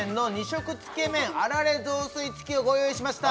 色つけ麺あられ雑炊付きをご用意しました